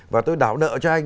và tôi đáo nợ cho anh